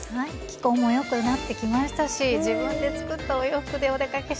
気候も良くなってきましたし自分で作ったお洋服でお出かけしたいですよね。